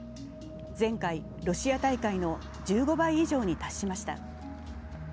前回ロシア大会の１５倍以上に達しました。